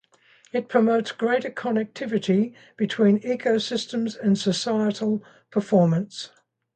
It promotes greater connectivity between ecosystems and societal performance.